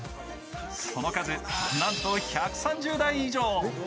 その数、なんと１３０台以上。